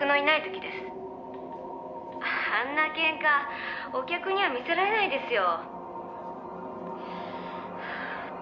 「あんなケンカお客には見せられないですよ」